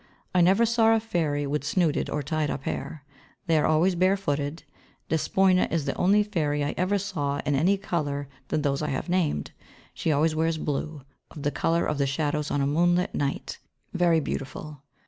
I never saw a fairy with snooded or tied up hair. They are always bare footed. Despoina is the only fairy I ever saw in any other colour than those I have named. She always wears blue, of the colour of the shadows on a moonlight night, very beautiful.